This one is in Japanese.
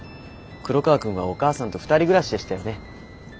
黒川くんはお母さんと２人暮らしでしたよね？